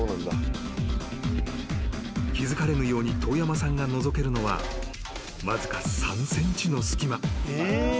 ［気付かれぬように遠山さんがのぞけるのはわずか３ｃｍの隙間］